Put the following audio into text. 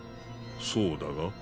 そうだが？